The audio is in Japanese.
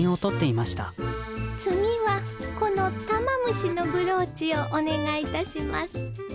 次はこの玉虫のブローチをお願いいたします。